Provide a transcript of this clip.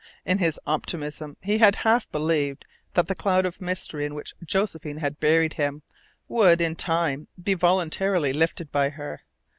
In his optimism he had half believed that the cloud of mystery in which Josephine had buried him would, in time, be voluntarily lifted by her.